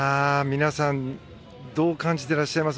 皆さんどう感じてらっしゃいます？